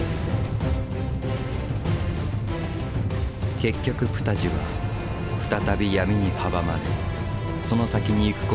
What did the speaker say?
結局プタジは再び闇に阻まれその先に行くことを断念した。